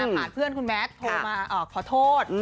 ผ่านเพื่อนคุณแมทโทรมาขอโทษ